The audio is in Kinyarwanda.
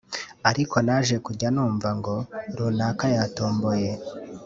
ariko naje kujya nunva ngo runaka yatomboye